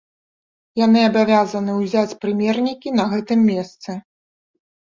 Яны абавязаныя ўзяць прымернікі на гэтым месцы.